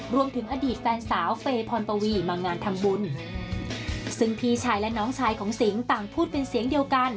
รวมถึงอดีตแฟนสาวเฟย์พรปวีมางานทำบุญซึ่งพี่ชายและน้องชายของสิงต่างพูดเป็นเสียงเดียวกัน